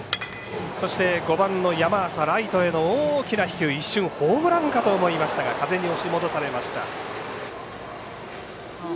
そして、５番の山浅ライトへの大きな飛球一瞬ホームランかと思いましたが風に押し戻されました。